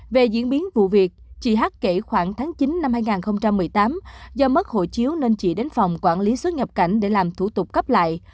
về diễn biến vụ việc chị hát kể khoảng tháng chín năm hai nghìn một mươi tám do mất hộ chiếu nên chị đến phòng quản lý xuất nhập cảnh để làm thủ tục cấp lại